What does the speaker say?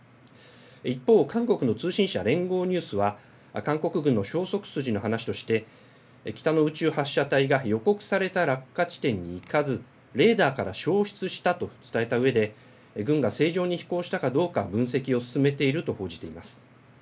一方、韓国の通信社、連合ニュースは韓国軍の消息筋の話として北の宇宙発射体が予告された落下地点に行かずレーダーから消失したと伝えたうえで軍が正常に飛行したかどうか分析を進めていると報じています。